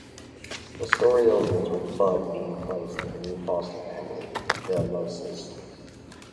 The story opens with Bud being placed with a new foster family, the Amoses.